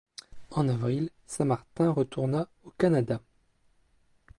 En avril, Saint Martin retourna au Canada.